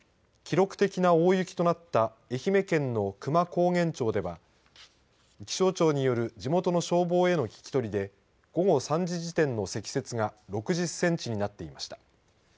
記録的な大雪となった愛媛県の久万高原町では気象庁による地元の消防への聞き取りで午後３時時点の積雪が６０センチになっていました。